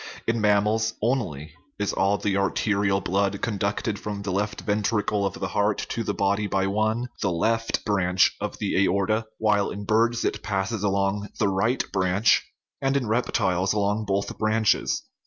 In mammals only is all the arterial blood con ducted from the left ventricle of the heart to the body by one, the left, branch of the aorta, while in birds it 50 OUR LIFE passes along the right branch, and in reptiles along both branches.